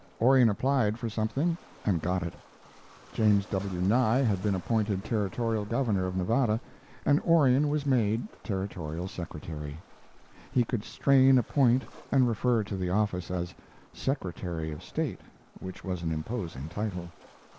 Orion applied for something, and got it. James W. Nye had been appointed Territorial governor of Nevada, and Orion was made Territorial secretary. You could strain a point and refer to the office as "secretary of state," which was an imposing title.